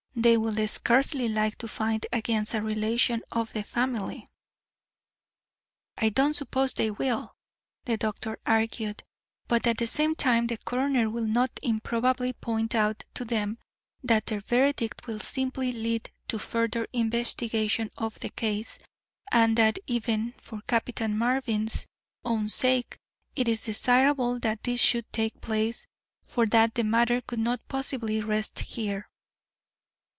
They will scarcely like to find against a relation of the family." "I don't suppose they will," the doctor argued, "but at the same time the coroner will not improbably point out to them that their verdict will simply lead to further investigation of the case, and that even for Captain Mervyn's own sake it is desirable that this should take place, for that the matter could not possibly rest here.